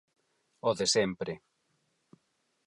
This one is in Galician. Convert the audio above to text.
O de sempre.